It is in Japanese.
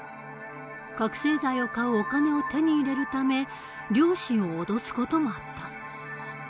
覚醒剤を買うお金を手に入れるため両親を脅す事もあった。